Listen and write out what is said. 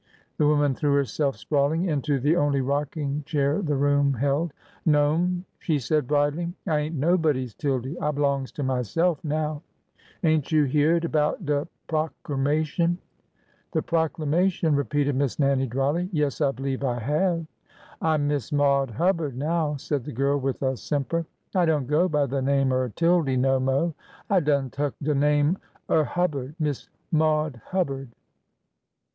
] The woman threw herself sprawling into the only ! rocking chair the room held. '" No'm! " she said, bridling. " I ain't nobody's Tildy f i I b'longs to myself now. Ain't you hyeahed about de ;! procermation ?" i " The proclamation ?" repeated Miss Nannie, dryly. |" Yes, I believe I have." " I 'm Miss Maude Hubbard now," said the girl, with a simper. " I don't go by de name er Tildy no mo'. I done tuk de name er Hubbard — Miss Maude Hubbard."